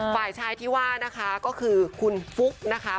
ฝ่ายชายที่ว่านะคะก็คือคุณฟุ๊กนะคะ